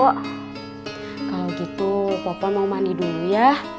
kalau gitu popon mau mandi dulu ya